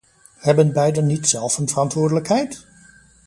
Hebben beiden niet zelf een verantwoordelijkheid?